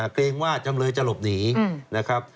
เกรงว่าจำเลยจะหลบหนีนะครับ